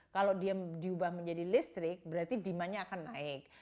kalau dia diubah menjadi listrik berarti demandnya akan naik